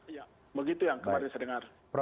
iya begitu yang kemarin saya dengar